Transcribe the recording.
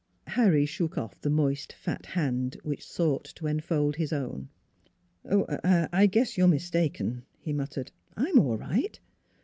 Harry shook off the moist, fat hand which sought to enfold his own. " Oh, I guess you're mistaken," he muttered. " I'm all right."